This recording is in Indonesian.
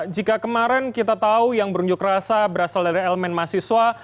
jika kemarin kita tahu yang berunjuk rasa berasal dari elemen mahasiswa